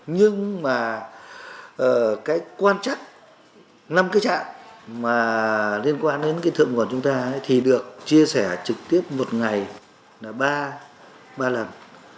nhưng mà cái quan trắc năm cái trạng mà liên quan đến cái thượng quản chúng ta thì được chia sẻ trực tiếp một ngày là ba lần